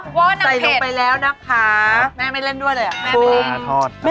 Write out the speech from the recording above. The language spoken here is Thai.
น้ำเผ็ดนะครับไม่เล่นด้วยเลยคุมครับมะ